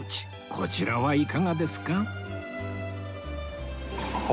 こちらはいかがですか？